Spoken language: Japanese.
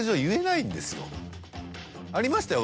ありましたよ